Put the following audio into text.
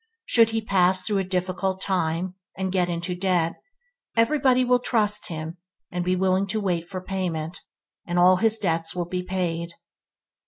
Should he pass through a difficult time, and, get into debt, everybody will trust him and be willing to wait for payment, and all his debts will be paid.